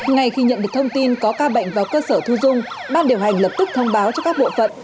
ngay khi nhận được thông tin có ca bệnh vào cơ sở thu dung ban điều hành lập tức thông báo cho các bộ phận